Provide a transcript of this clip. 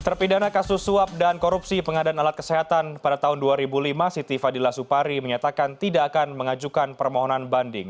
terpidana kasus suap dan korupsi pengadaan alat kesehatan pada tahun dua ribu lima siti fadila supari menyatakan tidak akan mengajukan permohonan banding